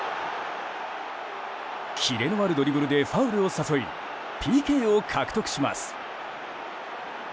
キレのあるドリブルでファウルを誘いＰＫを獲得します。